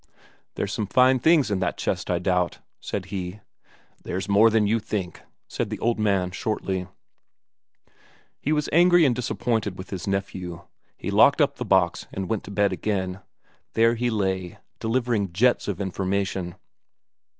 "There's some fine things in that chest, I doubt," said he. "There's more than you think," said the old man shortly. He was angry and disappointed with his nephew; he locked up the box and went to bed again. There he lay, delivering jets of information.